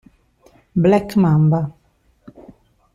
Black Mamba